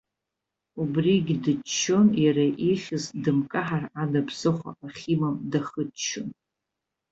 Убригь дыччон, иара ихьыз, дымкаҳар ада ԥсыхәа ахьимам дахыччон.